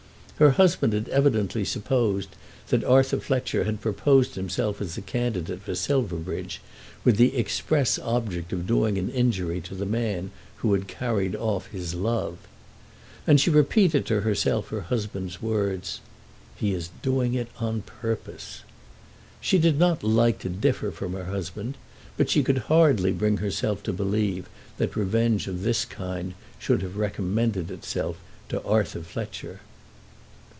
Her husband had evidently supposed that Arthur Fletcher had proposed himself as a candidate for Silverbridge, with the express object of doing an injury to the man who had carried off his love. And she repeated to herself her husband's words, "He is doing it on purpose." She did not like to differ from her husband, but she could hardly bring herself to believe that revenge of this kind should have recommended itself to Arthur Fletcher.